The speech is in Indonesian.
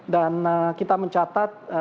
dan kita mencatat